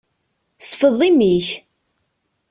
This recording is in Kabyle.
Sfeḍ imi-k!